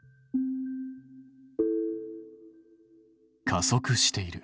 加速している。